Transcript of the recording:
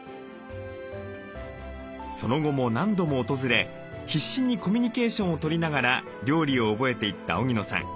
その後も何度も訪れ必死にコミュニケーションをとりながら料理を覚えていった荻野さん。